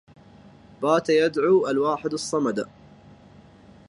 بات يدعو الواحدا الصمدا